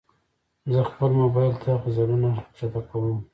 زه خپل موبایل ته غزلونه ښکته کوم.